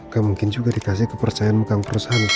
gak mungkin juga dikasih kepercayaan muka perusahaan sekarang